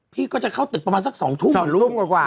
พี่ก็จะเข้าตึกประมาณสัก๒ทุ่มเหรอลูก๒ทุ่มกว่ากว่า